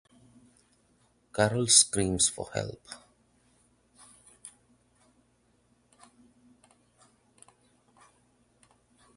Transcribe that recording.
Carol screams for help.